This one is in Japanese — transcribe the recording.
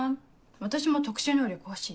私も特殊能力欲しい。